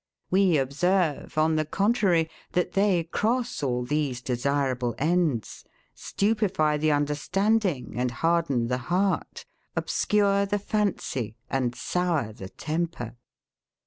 We observe, on the contrary, that they cross all these desirable ends; stupify the understanding and harden the heart, obscure the fancy and sour the temper.